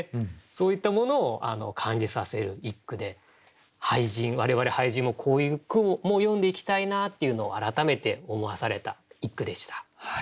そういったものを感じさせる一句で我々俳人もこういう句も詠んでいきたいなっていうのを改めて思わされた一句でした。